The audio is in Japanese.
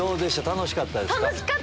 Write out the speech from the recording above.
楽しかったですよ。